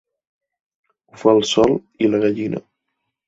Ho fa el sol i la gallina.